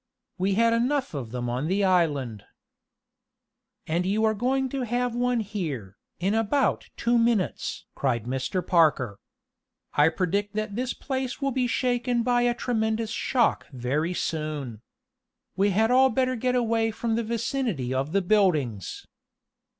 We had enough of them on the island." "And you are going to have one here, in about two minutes!" cried Mr. Parker. "I predict that this place will be shaken by a tremendous shock very soon. We had all better get away from the vicinity of buildings."